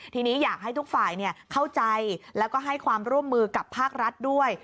ทีนี้อยากให้ทุกฝ่ายเข้าใจแล้วก็ให้ความร่วมมือกับภาครัฐด้วย